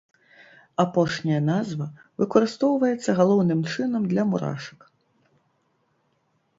Апошняя назва выкарыстоўваецца, галоўным чынам, для мурашак.